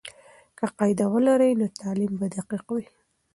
که قاعده ولري، نو تعلیم به دقیق وي.